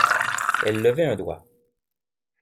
Elle levait un doigt.